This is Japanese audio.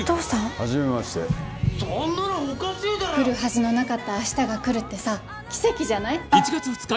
はじめまして来るはずのなかった明日が来るってさ奇跡じゃない？